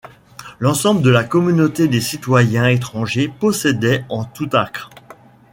L'ensemble de la communauté des citoyens étrangers possédait en tout acres.